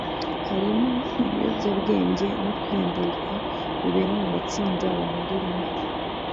harimo ibiyobyabwenge no kwiyandarika bibera mu matsinda bahuriramo